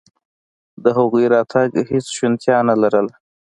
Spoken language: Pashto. د هغوی راتګ هېڅ شونتیا نه لرله.